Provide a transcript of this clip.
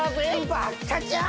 バッカじゃん！